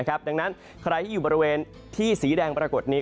ดังนั้นใครที่อยู่บริเวณที่สีแดงปรากฏนี้